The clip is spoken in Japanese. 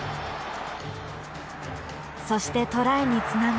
そしてトライにつながるパス。